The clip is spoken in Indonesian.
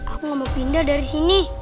aku mau pindah dari sini